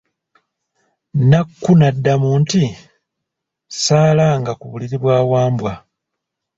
Nakku n'addamu nti, saalanga ku buliri bwa Wambwa.